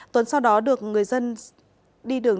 tuấn sau đó được người dân đi đường